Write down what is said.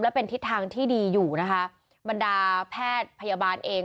เป็นทิศทางที่ดีอยู่นะคะบรรดาแพทย์พยาบาลเอง